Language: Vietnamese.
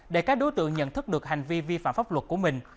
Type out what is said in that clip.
để các đối tượng nhận thức được hành vi vi phạm pháp luật của mình